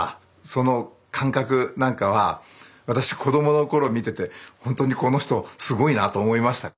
その感覚なんかは私子供の頃見ててほんとにこの人すごいなと思いました。